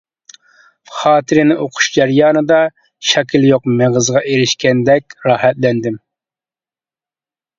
خاتىرىنى ئوقۇش جەريانىدا شاكىلى يوق مېغىزغا ئېرىشكەندەك راھەتلەندىم.